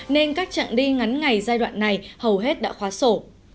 nên các trạng đi ngắn ngày giai đoạn này hầu hết đã khóa sổ